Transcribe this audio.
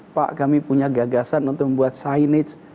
pak kami punya gagasan untuk membuat signage